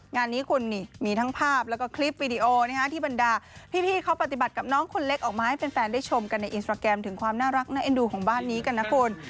งานนี้คุณนี่มีทั้งภาพแล้วก็คลิปวีดีโอที่บรรดาพี่เขาปฏิบัติกับน้องคนเล็กออกมาให้แฟนได้ชมกันในอินสตราแกรมถึงความน่ารักน่าเอ็นดูของบ้านนี้กันนะคุณ